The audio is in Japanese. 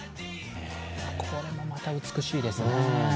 これもまた美しいですね。